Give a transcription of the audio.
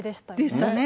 でしたね。